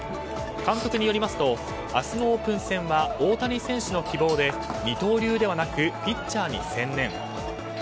監督によりますと明日のオープン戦は大谷選手の希望で二刀流ではなくピッチャーに専念。